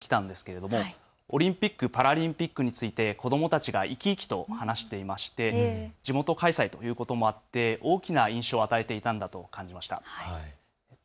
けさ、都内の学校を取材してきたんですけれどもオリンピック・パラリンピックについて子どもたちが生き生きと話していまして地元開催ということもあって大きな印象を与えていたんだと感じました。